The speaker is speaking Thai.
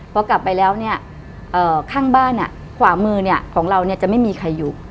พอกลับไปแล้วเนี่ยข้างบ้านขวามือของเราจะไม่มีใครอยู่